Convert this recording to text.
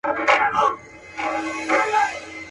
په تیاره کي یې پر زوی باندي نظر سو.